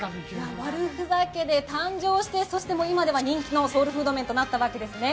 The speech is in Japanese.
悪ふざけで誕生してそして今では人気のソウルフード麺となったわけですね。